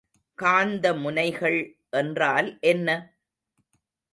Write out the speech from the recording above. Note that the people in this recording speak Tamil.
காந்த முனைகள் என்றால் என்ன?